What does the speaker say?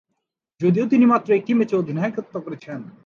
যদিও তিনি মাত্র একটি ম্যাচে অধিনায়কত্ব করেছেন।